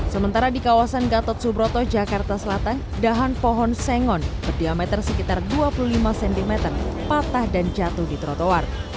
sementara di kawasan gatot subroto jakarta selatan dahan pohon sengon berdiameter sekitar dua puluh lima cm patah dan jatuh di trotoar